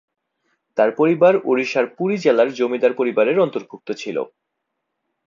তাঁর পরিবার ওড়িশার পুরী জেলার জমিদার পরিবারের অন্তর্ভুক্ত ছিল।